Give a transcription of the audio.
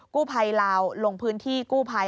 กู้ภัยลาวลงพื้นที่กู้ภัย